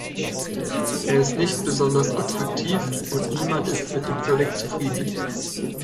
Er ist nicht besonders attraktiv, und niemand ist mit ihm völlig zufrieden.